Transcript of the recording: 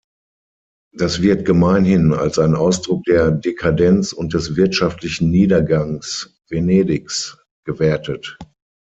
Das wird gemeinhin als ein Ausdruck der Dekadenz und des wirtschaftlichen Niedergangs Venedigs gewertet.